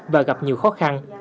và gặp nhiều khó khăn